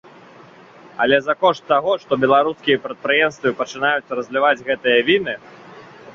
Але за кошт таго, што беларускія прадпрыемствы пачынаюць разліваць гэтыя віны.